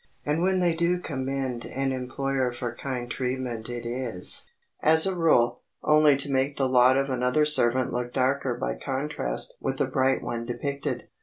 And when they do commend an employer for kind treatment it is, as a rule, only to make the lot of another servant look darker by contrast with the bright one depicted.